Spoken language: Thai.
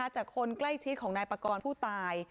จากคนใกล้ชิดของนายปากรผู้ตาย